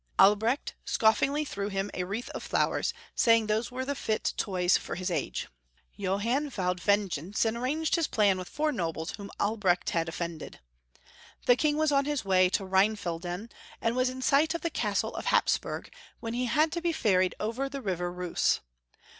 Albrecht scoffingly threw him a wreath of flowers, saying those were the fit toys for his age. Johann vowed vengeance, and ar ranged his plan with four nobles whom Albrecht had offended. The king was on his way to Rhein felden, and was in sight of the Castle of Hapsburg, when he had to be ferried over the river Reuss.